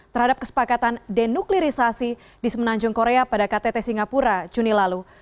terhadap kesepakatan denuklirisasi di semenanjung korea pada ktt singapura juni lalu